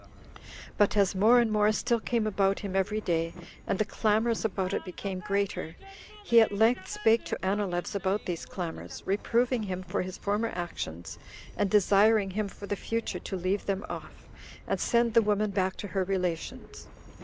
But as more and more still came about him every day, and the clamors about it became greater, he at length spake to Anileus about these clamors, reproving him for his former actions, and desiring him for the future to leave them off, and send the woman back to her relations.